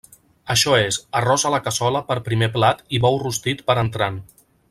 Això és, arròs a la cassola per primer plat i bou rostit per entrant.